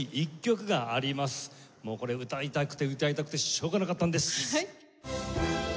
もうこれ歌いたくて歌いたくてしょうがなかったんです。